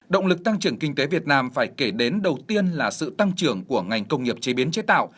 động lực tăng trưởng kinh tế việt nam phải kể đến đầu tiên là sự tăng trưởng của ngành công nghiệp chế biến chế tạo